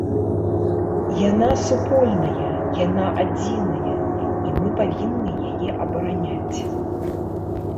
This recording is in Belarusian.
Яна супольная, яна адзіная, і мы павінны яе абараняць.